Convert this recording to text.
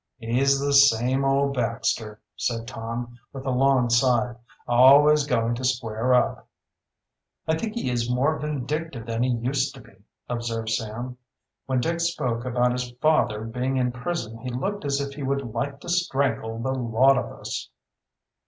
"He's the same old Baxter," said Tom, with a long sigh. "Always going to square up." "I think he is more vindictive than he used to be," observed Sam. "When Dick spoke about his father being in prison he looked as if he would like to strangle the lot of us."